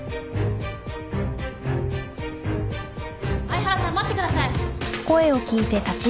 ・相原さん待ってください。